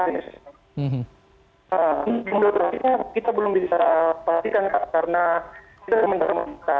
jumlah terakhirnya kita belum bisa pastikan karena kita sementara mendara